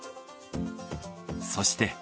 そして。